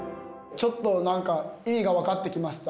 ちょっと何か意味が分かってきました。